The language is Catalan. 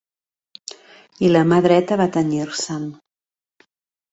...i la mà dreta va tenyir-se'n.